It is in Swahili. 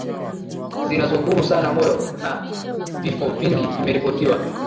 zinazodhuru sana moyo na vifo vingi vimeripotiwa